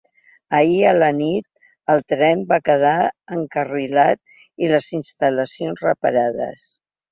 Ahir a la nit el tren va quedar encarrilat i les instal·lacions reparades.